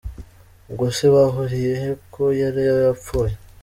Ubwo se bahuriyehe ko yari yapfuye?